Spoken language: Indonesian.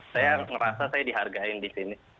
saya merasa saya dihargai di sini